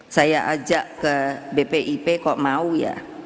saya ajak ke bpip kok mau ya